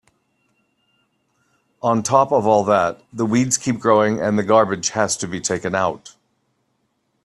On top of all that, the weeds keep growing and the garbage has to be taken out.